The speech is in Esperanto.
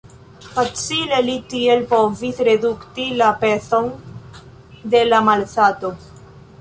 Facile li tiel povis redukti la pezon de la malsato.